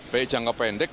baik jangka pendek